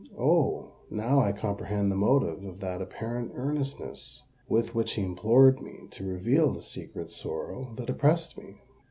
"Oh! now I comprehend the motive of that apparent earnestness with which he implored me to reveal the secret sorrow that oppressed me!